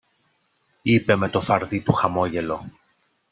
είπε με το φαρδύ του χαμόγελο